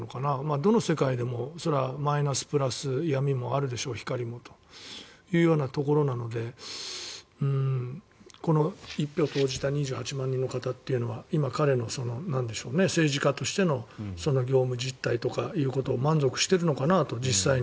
どの世界でもそれはマイナス、プラス闇もあるでしょう、光もというところなのでこの１票を投じた２８万人の方というのは今、彼の政治家としての業務実態ということに満足しているのかなと、実際に。